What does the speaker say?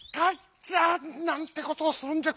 「なんてことをするんじゃ！